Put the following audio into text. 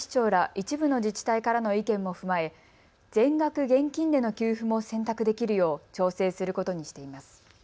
一部の自治体からの意見も踏まえ全額現金での給付も選択できるよう調整することにしています。